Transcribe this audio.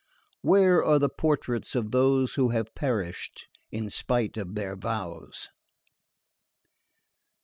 Where are the portraits of those who have perished in spite of their vows?